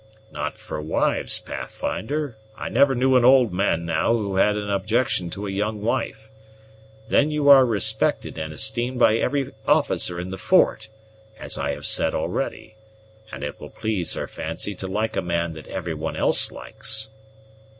"Not for wives, Pathfinder; I never knew an old man, now, who had an objection to a young wife. Then you are respected and esteemed by every officer in the fort, as I have said already, and it will please her fancy to like a man that every one else likes."